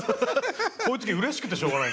こういう時うれしくてしょうがない。